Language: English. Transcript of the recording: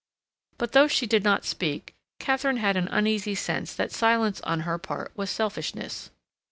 But though she did not speak, Katharine had an uneasy sense that silence on her part was selfishness.